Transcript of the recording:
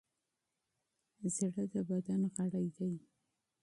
زړه د بدن غړی دی.